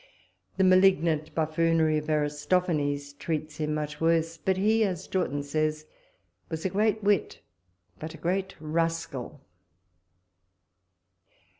The malignant buffoonery of Aristophanes treats him much worse; but he, as Jortin says, was a great wit, but a great rascal.